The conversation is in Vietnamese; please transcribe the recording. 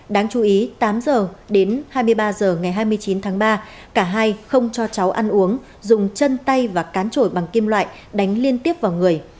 đáng chú ý tám h đến hai mươi ba h ngày hai mươi chín tháng ba cả hai không cho cháu ăn uống dùng chân tay và cán trội bằng kim loại đánh liên tiếp vào người